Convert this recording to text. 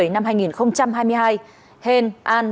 năm hai nghìn hai mươi hai hên an